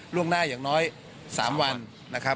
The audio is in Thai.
ล่วงหน้าอย่างน้อย๓วันนะครับ